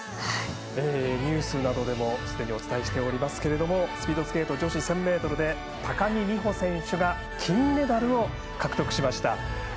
ニュースなどでもすでにお伝えしていますけどスピードスケート女子１０００ｍで高木美帆選手が金メダルを獲得しました。